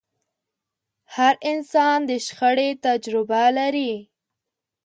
هر انسان د شخړې تجربه لري.